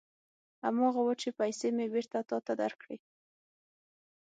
هماغه و چې پېسې مې بېرته تا ته درکړې.